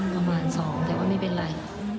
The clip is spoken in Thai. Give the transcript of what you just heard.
ประมาณ๒แต่ว่าไม่เป็นไร